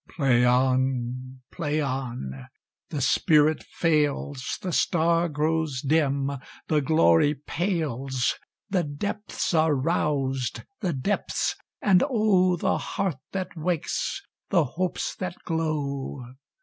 Play on! Play on! The spirit fails, The star grows dim, the glory pales, The depths are roused—the depths, and oh! The heart that wakes, the hopes that glow!